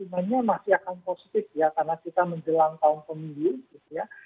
sebenarnya masih akan positif ya karena kita menjelang tahun pemilu gitu ya